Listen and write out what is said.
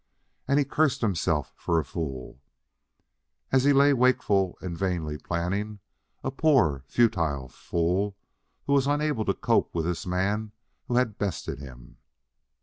And he cursed himself for a fool, as he lay wakeful and vainly planning a poor, futile fool who was unable to cope with this man who had bested him.